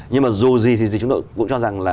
nhưng mà dù gì thì chúng tôi cũng cho rằng là